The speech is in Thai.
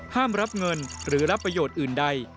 รับเงินหรือรับประโยชน์อื่นใด